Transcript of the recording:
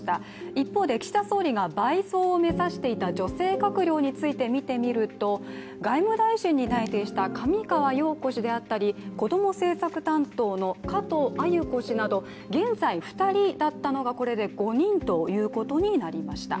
一方で岸田総理が倍増を目指していた女性閣僚について見てみると外務大臣に内定した上川陽子氏であったりこども政策担当の加藤鮎子氏など現在、２人だったのがこれで５人ということになりました。